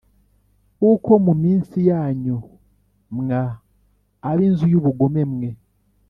Kuko Mu Minsi Yanyu Mwa Ab Inzu Y Ubugome Mwe